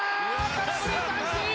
空振り三振！